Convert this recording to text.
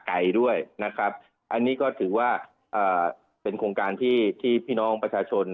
อันนี้ก็ถือว่าเป็นโครงการที่พี่น้องประชาชน